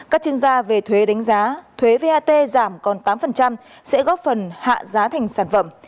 các chuyên gia về thuế đánh giá thuế vat giảm còn tám sẽ góp phần hạ giá thành sản phẩm